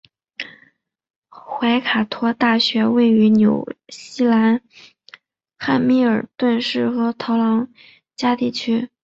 怀卡托大学位于纽西兰汉密尔顿市和陶朗加地区。